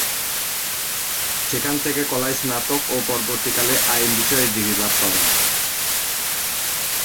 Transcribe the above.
সেখান থেকে কলায় স্নাতক ও পরবর্তীকালে আইন বিষয়ে ডিগ্রী লাভ করেন।